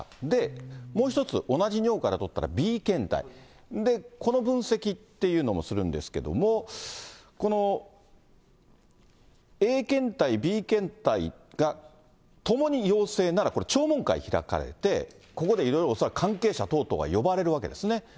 で、もう１つ、同じ尿から取ったＢ検体、この分析っていうのもするんですけども、このＡ検体、Ｂ検体が、ともに陽性なら、これ、聴聞会が開かれて、ここでいろいろ、恐らく関係者等々が呼ばれるわけですよね。